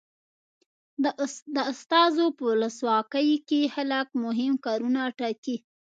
د استازو په ولسواکي کې خلک مهم کارونه ټاکي.